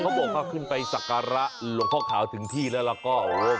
เขาบอกเขาขึ้นไปสการะลงท่อขาวถึงที่แล้วก็โอ้